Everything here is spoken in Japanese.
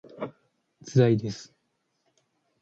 つらいです